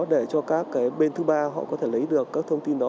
để cho các bên thứ ba họ có thể lấy được các thông tin đó